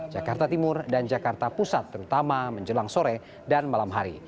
jakarta timur dan jakarta pusat terutama menjelang sore dan malam hari